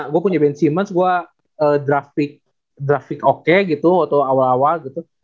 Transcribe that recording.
gue punya ben simmons gue draft pick oke gitu waktu awal awal gitu